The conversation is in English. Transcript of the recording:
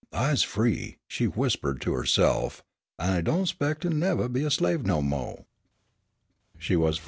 "I's free," she whispered to herself, "an' I don' expec' to nevah be a slave no mo'."